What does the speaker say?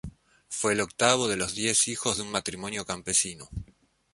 Fue el octavo de los diez hijos de un matrimonio campesino.